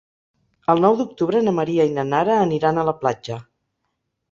El nou d'octubre na Maria i na Nara aniran a la platja.